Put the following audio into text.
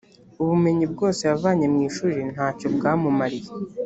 ubumenyi bwose yavanye mwishuri ntacyo bwa mu mariye